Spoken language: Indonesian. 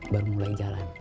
baru mulai jalan